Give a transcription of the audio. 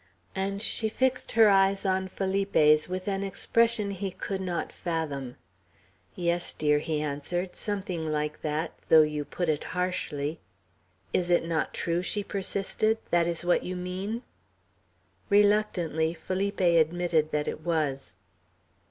and she fixed her eyes on Felipe's, with an expression he could not fathom. "Yes, dear," he answered, "something like that, though you put it harshly." "Is it not true," she persisted, "that is what you mean?" Reluctantly Felipe admitted that it was.